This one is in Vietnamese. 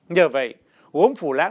nhờ vậy gốm phủ lãng